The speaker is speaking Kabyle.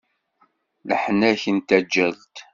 Leḥnak n taǧǧalt!